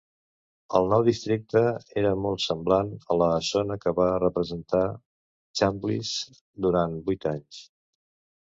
El nou districte era molt semblant a la zona que va representar Chambliss durant vuit anys.